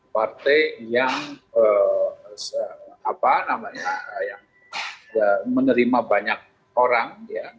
partai yang menerima banyak orang